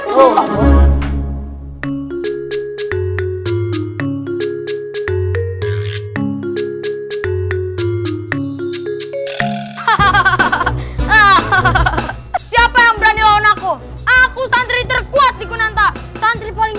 hahaha siapa yang berani lawan aku aku santri terkuat di kunanta santri paling